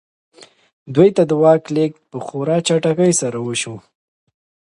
دوی ته د واک لېږد په خورا چټکۍ سره وشو.